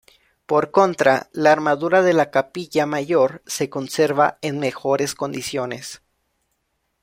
Por contra, la armadura de la capilla mayor se conserva en mejores condiciones.